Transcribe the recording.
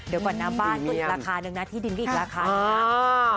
แล้วก่อนน้ำบ้านก็อีกที่ดินก็อีกละคานี่นะ